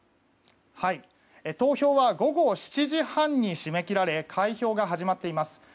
投票は午後７時半に締め切られ開票が始まっています。